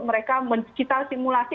mereka mencita simulasi